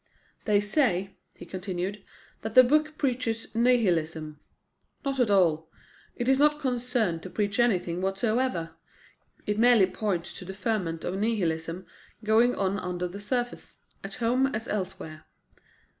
"They say," he continued, "that the book preaches Nihilism. Not at all. It is not concerned to preach anything whatsoever. It merely points to the ferment of Nihilism going on under the surface, at home as elsewhere.